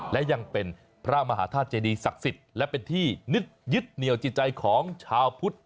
และยังเป็นพระมหาธาตุเจดีศักดิ์สิทธิ์และเป็นที่นึกยึดเหนียวจิตใจของชาวพุทธ